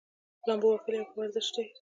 لامبو وهل یو ښه ورزش دی.